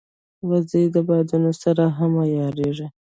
وزې د بادونو سره هم عیارېږي